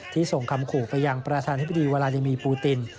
ที่ส่งคำขูกไปยังประธานธิบดีวรรณีมีปูติน